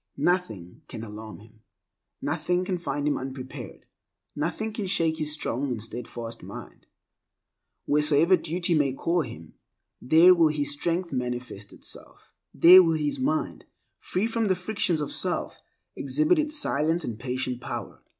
Nothing can alarm him, nothing can find him unprepared, nothing can shake his strong and steadfast mind. Wheresoever duty may call him, there will his strength manifest itself; there will his mind, free from the frictions of self, exhibit its silent and patient power.